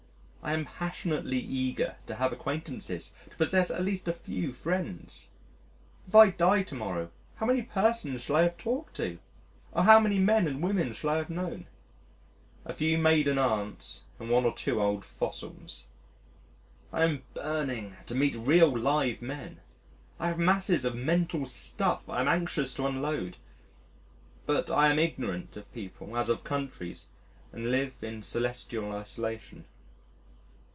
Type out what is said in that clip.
I am passionately eager to have acquaintances, to possess at least a few friends. If I die to morrow, how many persons shall I have talked to? or how many men and women shall I have known? A few maiden aunts and one or two old fossils. I am burning to meet real live men, I have masses of mental stuff I am anxious to unload. But I am ignorant of people as of countries and live in celestial isolation.